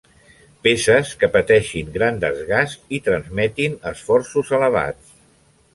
Peces que pateixin gran desgast i transmetin esforços elevats.